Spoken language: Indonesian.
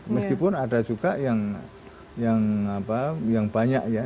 meskipun ada juga yang banyak ya